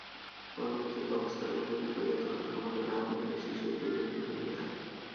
পরিবর্তিত অবস্থার উপযোগী করিয়া তোলার ক্ষমতা যাহার মধ্যে বেশী, সে-ই দীর্ঘজীবী হইয়া থাকে।